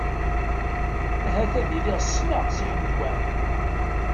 Ahat ad iliɣ ssneɣ Si Ḥmed Waɛli.